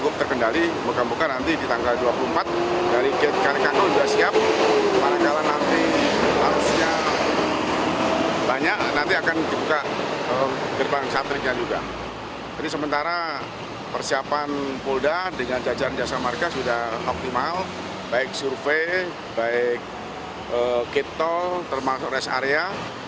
polda dengan jajaran dasar markas sudah optimal baik survei baik kitol termasuk rest area